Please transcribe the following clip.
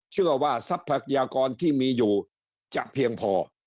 เชื่อว่าทรัพยากรที่มีอยู่จะเพียงพอ